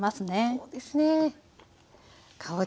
そうですね。